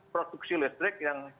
produksi listrik yang